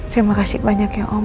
terima kasih banyak ya om